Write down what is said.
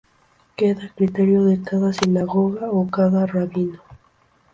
Queda a criterio de cada sinagoga o cada rabino.